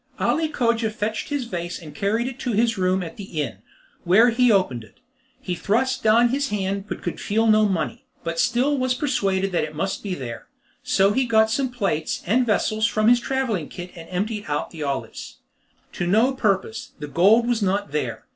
Ali Cogia fetched his vase and carried it to his room at the inn, where he opened it. He thrust down his hand but could feel no money, but still was persuaded it must be there. So he got some plates and vessels from his travelling kit and emptied out the olives. To no purpose. The gold was not there.